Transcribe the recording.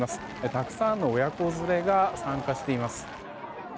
たくさんの親子連れが参加しています。